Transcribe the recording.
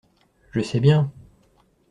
Je sais bien.